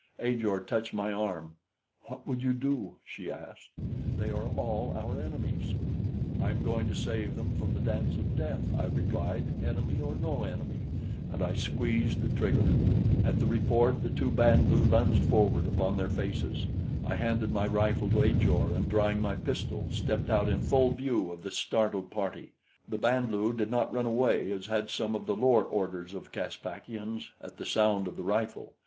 Ajor touched my arm. "What would you do?" she asked. "They are all our enemies." "I am going to save him from the dance of death," I replied, "enemy or no enemy," and I squeezed the trigger. At the report, the two Band lu lunged forward upon their faces. I handed my rifle to Ajor, and drawing my pistol, stepped out in full view of the startled party. The Band lu did not run away as had some of the lower orders of Caspakians at the sound of the rifle.